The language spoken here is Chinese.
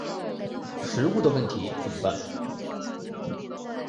食物的问题怎么办？